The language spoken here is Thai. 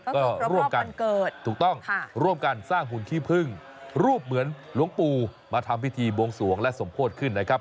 ก็ร่วมกันเกิดถูกต้องร่วมกันสร้างหุ่นขี้พึ่งรูปเหมือนหลวงปู่มาทำพิธีบวงสวงและสมโพธิขึ้นนะครับ